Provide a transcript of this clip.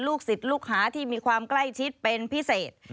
ลูกสิทธิ์ลูกค้าที่มีความใกล้ชิดเป็นพิเศษ